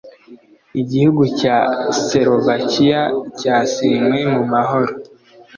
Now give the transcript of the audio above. Igihugu cya Czechoslovakia cyasenywe mu mahoro